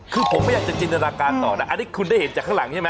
คือผมไม่อยากจะจินตนาการต่อนะอันนี้คุณได้เห็นจากข้างหลังใช่ไหม